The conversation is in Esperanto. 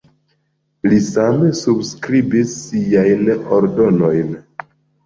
Li same subskribis siajn ordonojn.